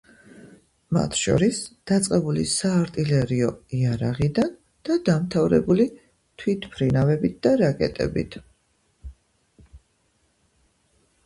მათ შორის დაწყებული საარტილერიო იარაღიდან და დამთავრებული თვითმფრინავებით და რაკეტებით.